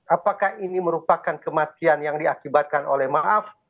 apakah ini merupakan kematian yang diakibatkan oleh maaf